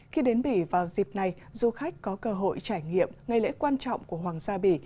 khi đến bỉ vào dịp này du khách có cơ hội trải nghiệm ngày lễ quan trọng của hoàng gia bỉ